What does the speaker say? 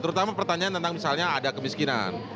terutama pertanyaan tentang misalnya ada kemiskinan